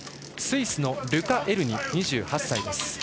スイスのルカ・エルニ、２８歳。